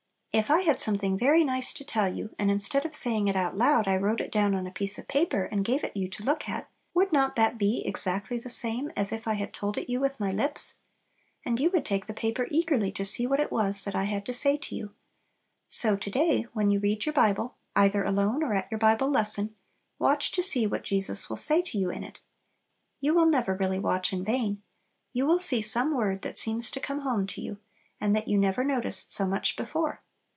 If I had something very nice to tell you, and instead of saying it out loud, I wrote it down on a piece of paper, and gave it you to look at, would not that be exactly the same as if I had told it you with my lips? And you would take the paper eagerly to see what it was that I had to say to you. So to day, when you read your Bible, either alone or at your Bible lesson, watch to see what Jesus will say to you in it. You will never really watch in vain. You will see some word that seems to come home to you, and that you never noticed so much before.